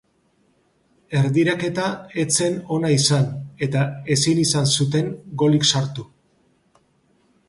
Erdiraketa ez zen ona izan eta ezin izan zuten golik sartu.